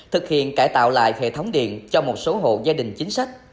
thực hiện cải tạo lại hệ thống điện cho một số hộ gia đình chính sách